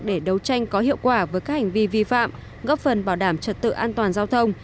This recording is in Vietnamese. để đấu tranh có hiệu quả với các hành vi vi phạm góp phần bảo đảm trật tự an toàn giao thông